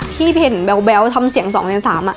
พี่เพ่นแบ๊วทำเสียงสองในสาม